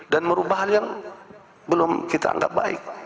dan merubah hal yang belum kita anggap baik